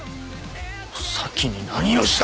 咲に何をした！